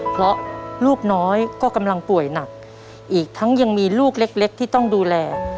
เพราะลูกน้อยก็กำลังป่วยหนักอีกทั้งยังมีลูกเล็กที่ต้องดูแล